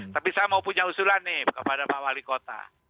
tapi saya mau punya usulan nih kepada pak wali kota